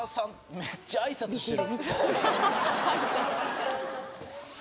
めっちゃ挨拶してるはははっ